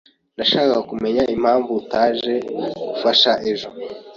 Ndashaka kumenya impamvu utaje gufasha ejo.